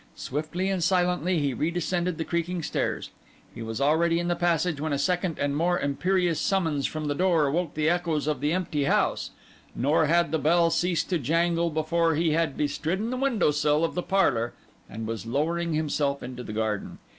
Swiftly and silently he redescended the creaking stairs; he was already in the passage when a second and more imperious summons from the door awoke the echoes of the empty house; nor had the bell ceased to jangle before he had bestridden the window sill of the parlour and was lowering himself into the garden.